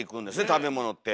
食べ物って。